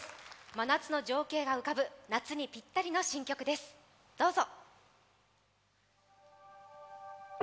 真夏の情景が浮かぶ夏にぴったりの新曲です、どうぞ。